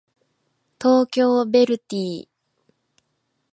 東京ヴェルディ